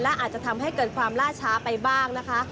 และอาจจะทำให้เกิดความล่าช้าไปบ้างนะคะ